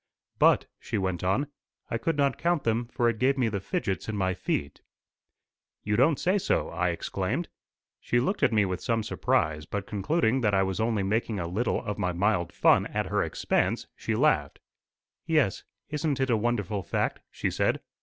"But," she went on, "I could not count them, for it gave me the fidgets in my feet." "You don't say so!" I exclaimed. She looked at me with some surprise, but concluding that I was only making a little of my mild fun at her expense, she laughed. "Yes. Isn't it a wonderful fact?" she said.